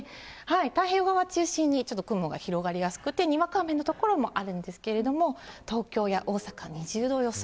太平洋側中心に、ちょっと雲が広がりやすくて、にわか雨の所もあるんですけれども、東京や大阪２０度予想。